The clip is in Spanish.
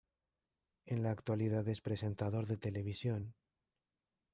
En la actualidad es presentador de televisión.